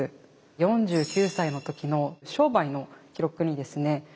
４９歳の時の商売の記録にですね利金